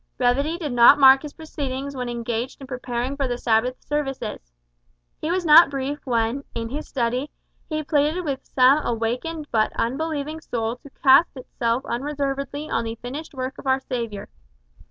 Brevity did not mark his proceedings when engaged in preparing for the Sabbath services. He was not brief when, in his study, he pleaded with some awakened but unbelieving soul to cast itself unreservedly on the finished work of our Saviour.